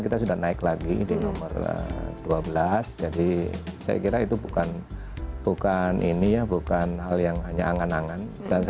kita sudah naik lagi di nomor dua belas jadi saya kira itu bukan bukan ini ya bukan hal yang hanya angan angan